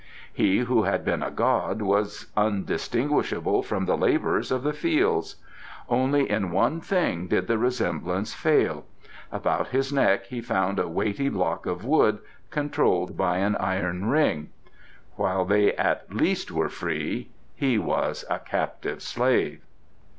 He who had been a god was undistinguishable from the labourers of the fields. Only in one thing did the resemblance fail: about his neck he found a weighty block of wood controlled by an iron ring: while they at least were free he was a captive slave.